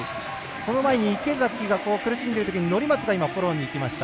その前に池崎が苦しんでいるときに乗松がフォローにいきました。